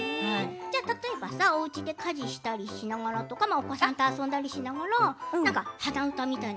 例えばおうちで家事をしながらお子さんと遊んだりしながら鼻歌みたいな？